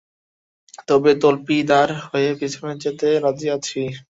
তবে তল্পিদার হয়ে পিছনে যেতে রাজি আছি।